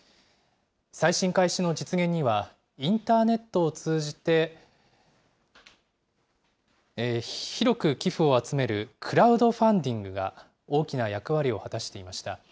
再審開始の実現には、インターネットを通じて広く寄付を集めるクラウドファンディングが大きな役割を果たしていました。